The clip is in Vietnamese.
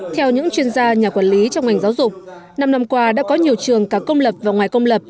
theo những chuyên gia nhà quản lý trong ngành giáo dục năm năm qua đã có nhiều trường cả công lập và ngoài công lập